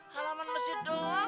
halaman mesir doang